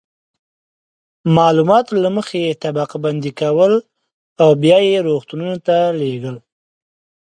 معلومات له مخې یې طبقه بندي کول او بیا یې روغتونونو ته لیږل.